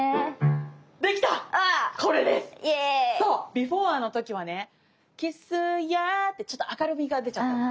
ビフォアの時はねキスやってちょっと明るみが出ちゃったの。